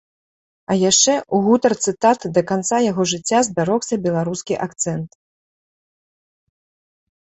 А яшчэ ў гутарцы таты да канца яго жыцця збярогся беларускі акцэнт.